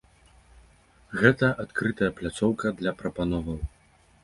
Гэта адкрытая пляцоўка для прапановаў.